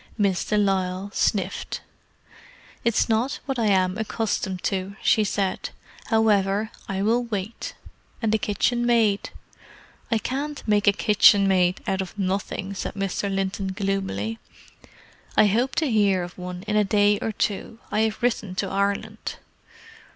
Miss de Lisle sniffed. "It's not what I am accustomed to," she said. "However, I will wait. And the kitchenmaid?" "I can't make a kitchenmaid out of nothing," said Mr. Linton gloomily. "I hope to hear of one in a day or two; I have written to Ireland."